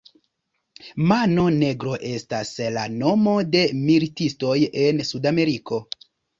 Mano Negro estas la nomo de militistoj en Sudameriko.